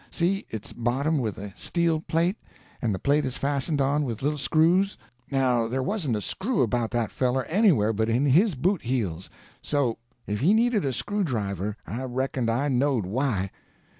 See, it's bottomed with a steel plate, and the plate is fastened on with little screws. Now there wasn't a screw about that feller anywhere but in his boot heels; so, if he needed a screwdriver, I reckoned I knowed why."